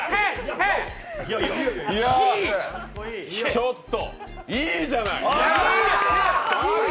ちょっと、いいじゃない！